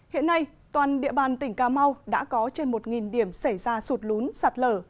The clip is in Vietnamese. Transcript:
hiện nay toàn địa bàn tỉnh cà mau đã có trên một điểm xảy ra sụt lún sạt lở